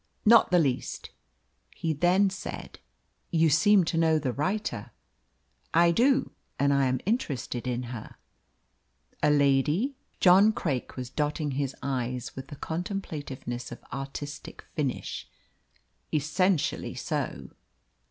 "Not the least," he then said. "You seem to know the writer." "I do, and I am interested in her." "A lady?" John Craik was dotting his i's with the contemplativeness of artistic finish. "Essentially so."